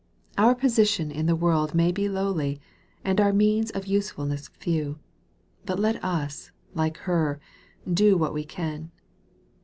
Our position in the world may he lowly, and our means of usefulness few. But let us, like her. " do what we can."